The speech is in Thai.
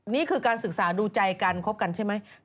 นี่คือการศึกษาดูใจกันคบกันใช่ไหม